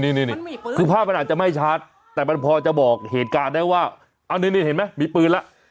นี่คือภาพมันอาจจะไม่ชัดแต่มันพอจะบอกเหตุการณ์ได้ว่าเอานี่เห็นไหมมีปืนแล้ว